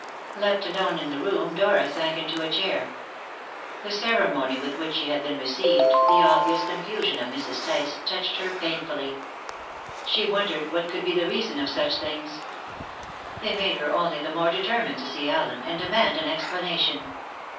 Left alone in the room, Dora sank into a chair. The ceremony with which she had been received, the obvious confusion of Mrs. Tice, touched her painfully. She wondered what could be the reason of such things. They made her only the more determined to see Allen, and demand an explanation.